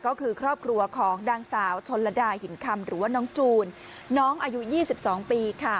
ก็คือครอบครัวของนางสาวชนลดาหินคำหรือว่าน้องจูนน้องอายุ๒๒ปี